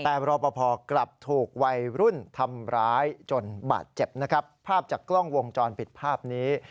แต่รอปภกลับถูกวัยรุ่นทำร้ายจนบาดเจ็บนะครับภาพจากกล้องวงจรปิดภาพนี้